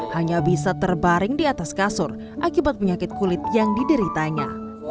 hanya bisa terbaring di atas kasur akibat penyakit kulit yang dideritanya